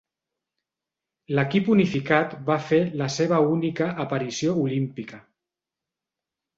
L'equip unificat va fer la seva única aparició olímpica.